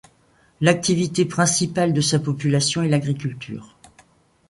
L'activité principal de sa population est l'agriculture.